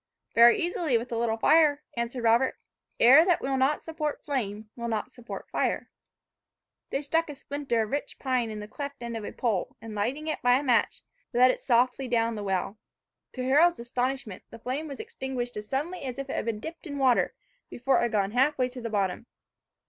"Very easily, with a little fire," answered Robert. "AIR THAT WILL NOT SUPPORT FLAME, WILL NOT SUPPORT LIFE." They stuck a splinter of rich pine in the cleft end of a pole, and, lighting it by a match, let it softly down the well. To Harold's astonishment the flame was extinguished as suddenly as if it had been dipped in water, before it had gone half way to the bottom.